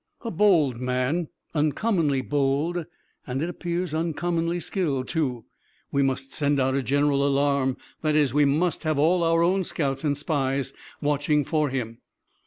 "A bold man, uncommonly bold, and it appears uncommonly skilled, too. We must send out a general alarm, that is, we must have all our own scouts and spies watching for him."